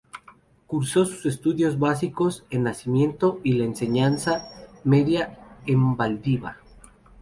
Cursó sus estudios básicos en Nacimiento y la enseñanza media en Valdivia.